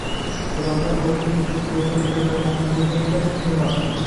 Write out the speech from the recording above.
Odamlar o‘rtaga tushib yo‘ldan qaytarmoqchi bo‘lgan ekan, ko‘nmapti.